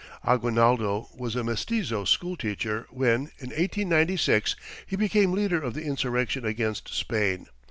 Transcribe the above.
Aguinaldo was a mestizo school teacher when, in 1896, he became leader of the insurrection against Spain.